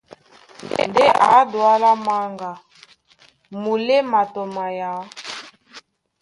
Ndé ǎ Dualá Manga, muléma tɔ mayǎ.